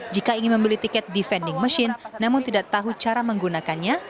jika ingin membeli tiket di vending machine namun tidak tahu cara menggunakannya